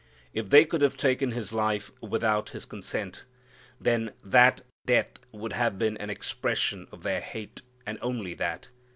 If they could have taken His life without His consent, then that death would have been an expression of their hate, and only that.